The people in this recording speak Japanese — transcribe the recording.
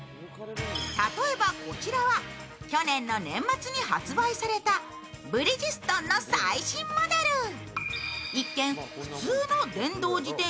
例えばこちらは去年の年末に発売されたブリジストンの最新モデル。